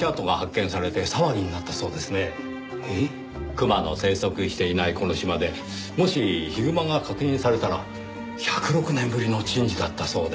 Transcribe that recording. クマの生息していないこの島でもしヒグマが確認されたら１０６年ぶりの珍事だったそうで。